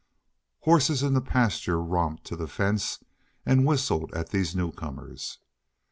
Horses in the Pasture romped to the fence and whistled at these newcomers.